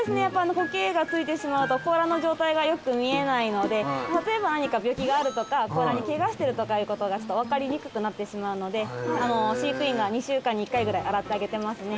コケが付いてしまうと甲羅の状態がよく見えないので例えば何か病気があるとか甲羅にケガしてるとかいうことが分かりにくくなってしまうので飼育員が２週間に１回ぐらい洗ってあげてますね。